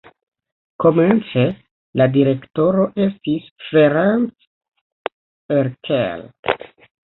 Komence la direktoro estis Ferenc Erkel.